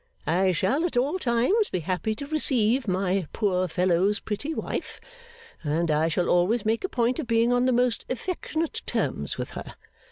I shall at all times be happy to receive my poor fellow's pretty wife, and I shall always make a point of being on the most affectionate terms with her.